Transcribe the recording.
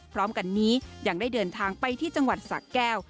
พร้อมกันนี้ยังได้เดินทางไปที่จังหวัดสะแก้ว